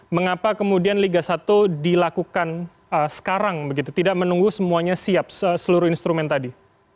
mengapa kemudian liga satu dilakukan sekarang begitu tidak menunggu semuanya siap seluruh instrumen tadi